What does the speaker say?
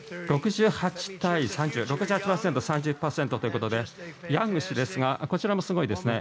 ６８％対３０％ということでヤング氏ですがこちらもすごいですね。